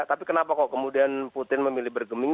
tapi kenapa kok kemudian putin memilih bergeming